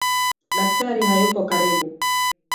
Daktari hayuko karibu